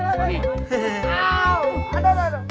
aduh aduh aduh